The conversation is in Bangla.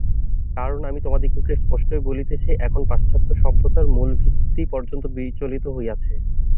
কারণ আমি তোমাদিগকে স্পষ্টই বলিতেছি, এখন পাশ্চাত্য সভ্যতার মূল ভিত্তি পর্যন্ত বিচলিত হইয়াছে।